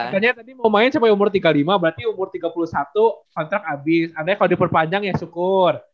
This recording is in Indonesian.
makanya tadi mau main sampe umur tiga puluh lima berarti umur tiga puluh satu kontrak abis andai kalo diperpanjang ya syukur